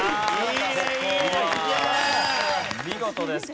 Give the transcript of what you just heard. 見事です。